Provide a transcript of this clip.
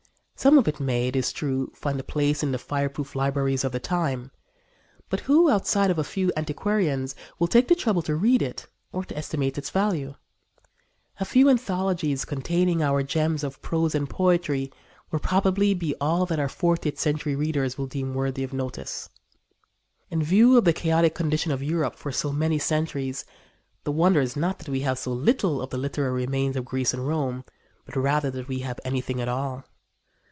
Some of it may, it is true, find a place in the fireproof libraries of the time; but who, outside of a few antiquarians, will take the trouble to read it or estimate its value? A few anthologies containing our gems of prose and poetry will probably be all that our fortieth century readers will deem worthy of notice. In view of the chaotic condition of Europe for so many centuries, the wonder is not that we have so little of the literary remains of Greece and Rome, but rather that we have anything at all.